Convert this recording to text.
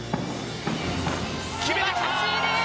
決めてきた！